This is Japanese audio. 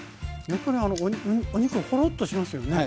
やっぱりお肉がほろっとしますよね。